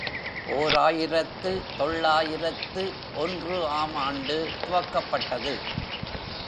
ஓர் ஆயிரத்து தொள்ளாயிரத்து ஒன்று ஆம் ஆண்டு துவக்கப்பட்டது.